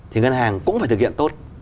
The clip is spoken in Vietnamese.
thì ngân hàng cũng phải thực hiện tốt